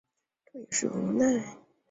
这也是无奈